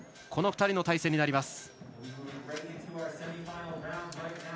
この２人の対戦になります。